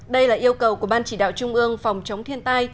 đây là yêu cầu của ban chỉ đạo trung ương phòng chống thiên tai